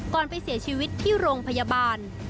ไปเสียชีวิตที่โรงพยาบาล